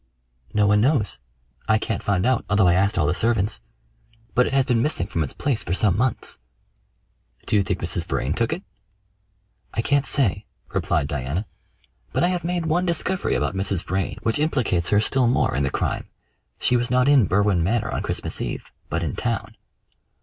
"No one knows. I can't find out, although I asked all the servants; but it has been missing from its place for some months." "Do you think Mrs. Vrain took it?" "I can't say," replied Diana, "but I have made one discovery about Mrs. Vrain which implicates her still more in the crime. She was not in Berwin Manor on Christmas Eve, but in town."